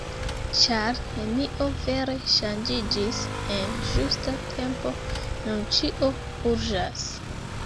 Ĉar nenio vere ŝanĝiĝis en ĝusta tempo, nun ĉio urĝas.